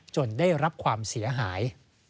ได้รับความเสียหาย